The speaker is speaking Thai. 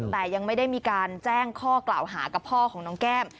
แต่ยังไม่ได้มีการแจ้งข้อกล่าวหากับพ่อของน้องแก้ม